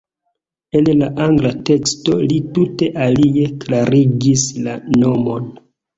En la angla teksto li tute alie klarigis la nomon.